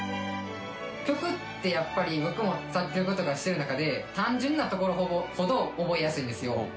曲って、やっぱり僕も作曲とかしてる中で単純なところほど覚えやすいんですよ。